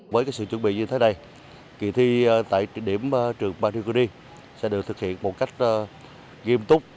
với sự chuẩn bị như thế này kỳ thi tại điểm trường bariguri sẽ được thực hiện một cách nghiêm túc và đảm bảo được kết quả thi chính xác trung thực nhất